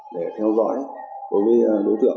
để theo dõi đối tượng